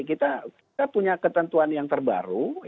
kita punya ketentuan yang terbaru